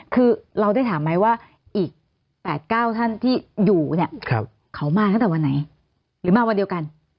คือเราได้ถามไหมว่าอีก๘๙ท่านที่อยู่เนี่ยเขามาตั้งแต่วันไหนหรือมาวันเดียวกัน